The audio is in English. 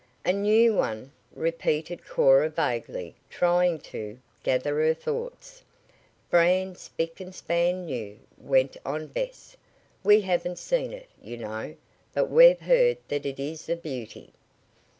"A new one," repeated Cora vaguely, trying to, gather her thoughts. "Brand, spick span new," went on Bess. "We haven't seen it, you know, but we've heard that it is a beauty."